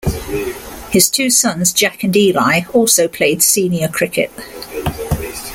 His two sons, Jack and Eli, also played senior cricket.